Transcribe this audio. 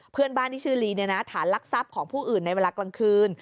เพื่อนบ้านที่ชื่อลีฐานลักทรัพย์ของผู้อื่นในเวลากลางคืน